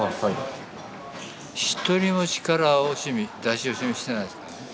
一人も力を惜しみ出し惜しみしてないですからね。